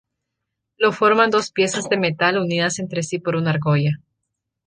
Lo forman dos piezas de metal unidas entre sí por una argolla.